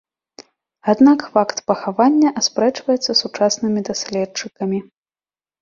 Аднак факт пахавання аспрэчваецца сучаснымі даследчыкамі.